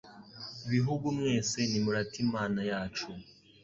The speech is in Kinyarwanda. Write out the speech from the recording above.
Bihugu mwese nimurate Imana yacu